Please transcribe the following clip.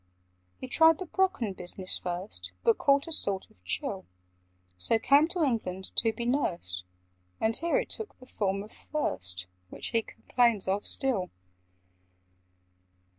"He tried the Brocken business first, But caught a sort of chill; So came to England to be nursed, And here it took the form of thirst, Which he complains of still.